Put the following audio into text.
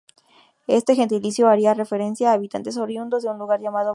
Este gentilicio haría referencia a habitantes oriundos de un lugar llamado Barba o similar.